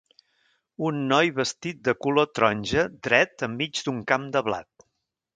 Un noi vestit de color taronja dret enmig d'un camp de blat.